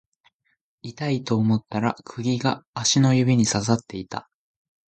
痛いと思ったら釘が足の指に刺さっていた